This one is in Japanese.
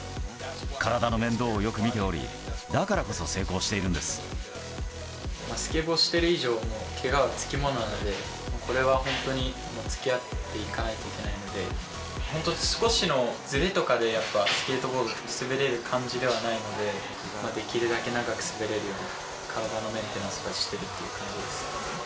体の面倒をよく見ており、だからスケボーしてる以上、もうけがはつきものなので、もうこれは本当につきあっていかないといけないので、本当、少しのずれとかでやっぱスケートボードって滑れる感じではないので、できるだけ長く滑れるように、体のメンテナンスをしてるってい